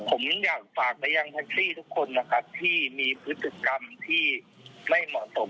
ผมอยากฝากไปยังแท็กซี่ทุกคนนะครับที่มีพฤติกรรมที่ไม่เหมาะสม